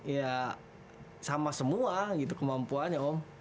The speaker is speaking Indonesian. ya sama semua gitu kemampuannya om